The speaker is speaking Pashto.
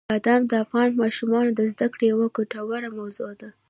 بادام د افغان ماشومانو د زده کړې یوه ګټوره موضوع ده.